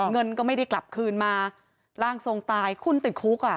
เงินก็ไม่ได้กลับคืนมาร่างทรงตายคุณติดคุกอ่ะ